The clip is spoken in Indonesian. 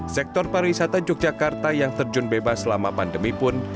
sektor pariwisata yogyakarta yang terjun bebas selama pandemi pun